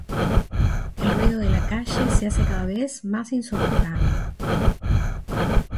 el ruido de la calle se hace cada vez más insoportable